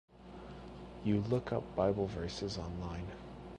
You look up bible verses online